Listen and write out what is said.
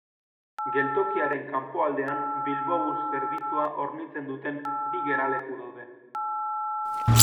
Geltokiaren kanpoaldean Bilbobus zerbitzua hornitzen duten bi geraleku daude.